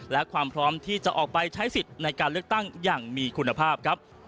และความพร้อมที่จะออกไปใช้สิทธิ์ในการเลือกตั้งอย่างมีคุณภาพครับ